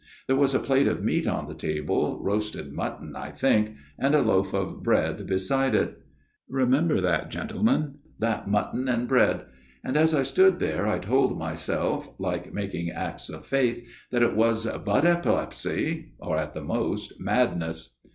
There was a plate of meat on the table, roasted mutton, I think, and a loaf of bread beside it. Remember that, gentlemen ! That mutton and bread ! And as I stood there, I told myself, like making acts of faith, that it was but epilepsy, or at the most matlness.